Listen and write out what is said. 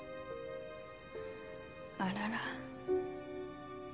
あらら。